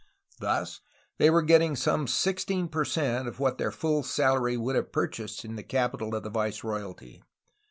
Thus they were getting some sixteen per cent of what their full salary would have purchased in the capital of the viceroyalty.